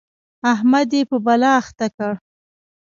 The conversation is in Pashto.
احمد يې په بلا اخته کړ.